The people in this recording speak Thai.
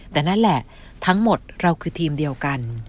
แต่นั่นแหละทั้งหมดเราคือทีมเดียวกัน